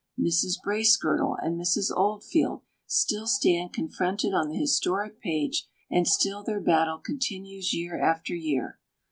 Mrs. Bracegirdle and Mrs. Oldfield still stand confronted on the historic page, and still their battle continues year after year.